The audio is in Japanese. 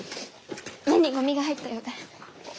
目にごみが入ったようで。